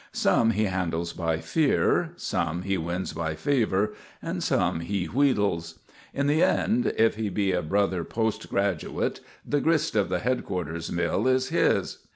Some he handles by fear, some he wins by favour, some he wheedles. In the end, if he be a brother post graduate, the grist of the headquarters' mill is his.